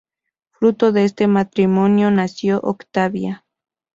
Fruto de este matrimonio nació Octavia.